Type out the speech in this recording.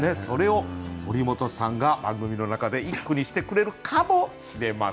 それを堀本さんが番組の中で一句にしてくれるかもしれません。